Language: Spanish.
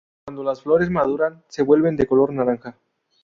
Cuando las flores maduran, se vuelven de color naranja.